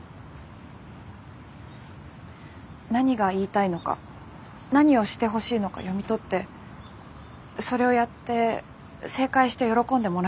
何が言いたいのか何をしてほしいのか読み取ってそれをやって正解して喜んでもらえたら安心して。